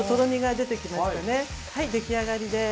はい出来上がりです。